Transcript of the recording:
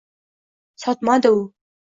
Sotmadi u!